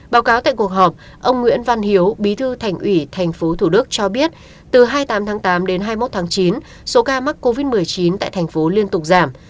báo cáo tại cuộc họp ông nguyễn văn hiếu bí thư thành ủy tp thủ đức cho biết từ hai mươi tám tháng tám đến hai mươi một tháng chín số ca mắc covid một mươi chín tại thành phố liên tục giảm